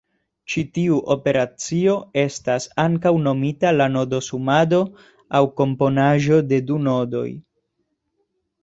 Ĉi tiu operacio estas ankaŭ nomita la nodo-sumado aŭ komponaĵo de du nodoj.